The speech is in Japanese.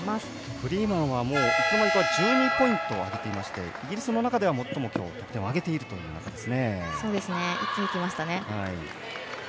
フリーマンはいつの間にか１２ポイントを挙げていましてイギリスの中では今日最も得点を挙げています。